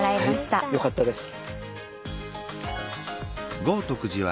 はいよかったです。